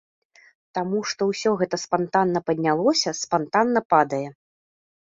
Таму што ўсё гэта спантанна паднялося, спантанна падае.